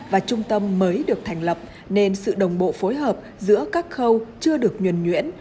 và trung tâm mới được thành lập nên sự đồng bộ phối hợp giữa các khâu chưa được nhuẩn nhuyễn